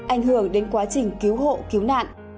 ảnh hưởng đến quá trình cứu hộ cứu nạn